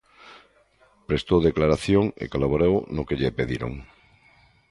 Prestou declaración e colaborou no que lle pediron.